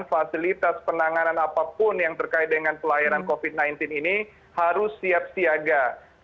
fasilitas penanganan apapun yang terkait dengan pelayanan covid sembilan belas ini harus siap siaga